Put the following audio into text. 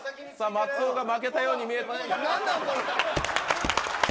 松尾が負けたように見えました。